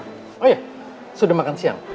oh ya sudah makan siang